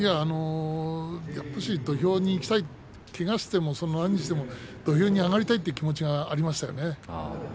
やっぱり土俵に行きたいけがしても何しても土俵に上がりたいという気持ちがありましたね。